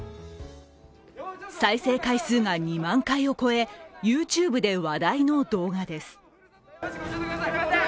再生回数が２万回を超え、ＹｏｕＴｕｂｅで話題の動画です。